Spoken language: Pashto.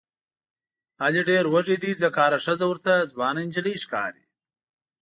علي ډېر وږی دی ځکه هره ښځه ورته ځوانه نجیلۍ ښکاري.